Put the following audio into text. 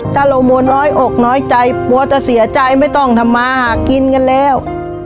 ถ้าเรามัวน้อยอกน้อยใจกลัวจะเสียใจไม่ต้องทำมาหากินกันแล้ว